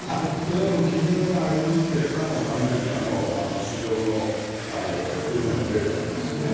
それは基準がありまして過去何年かの市場の売値のデータがありますよね。